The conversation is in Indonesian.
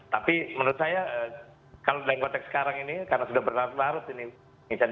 tapi menurut saya kalau lengkotek sekarang ini karena sudah berlarut larut ini misalnya